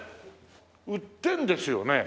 売ってるんですよね？